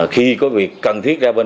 khi có việc cần thiết ra bên